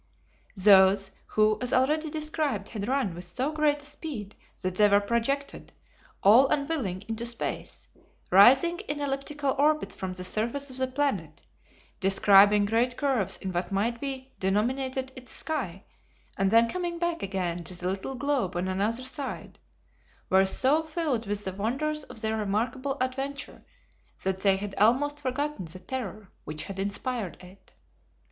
Those who, as already described, had run with so great a speed that they were projected, all unwilling, into space, rising in elliptical orbits from the surface of the planet, describing great curves in what might be denominated its sky, and then coming back again to the little globe on another side, were so filled with the wonders of their remarkable adventure that they had almost forgotten the terror which had inspired it.